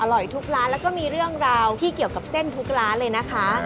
ทุกร้านแล้วก็มีเรื่องราวที่เกี่ยวกับเส้นทุกร้านเลยนะคะ